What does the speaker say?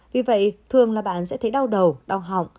vì vậy thường là bạn sẽ thấy đau đầu đau họng